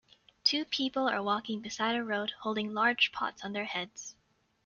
Two people are walking beside a road, holding large pots on their heads.